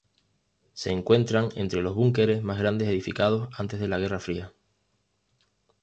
Se encuentran entre los búnkeres más grandes edificados antes de la Guerra Fría.